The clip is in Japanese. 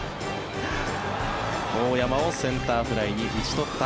大山をセンターフライに打ち取った。